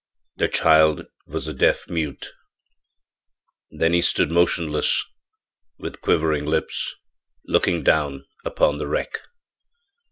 The child was a deaf mute. Then he stood motionless, with quivering lips, looking down upon the wreck.